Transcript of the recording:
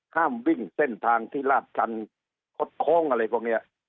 ห้ามวิ่งเส้นทางที่ลาดชันคดโค้งอะไรพวกนี้